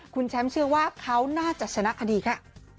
คุณแชมป์เชื่อว่าเขาน่าจะชนะคดีค่ะ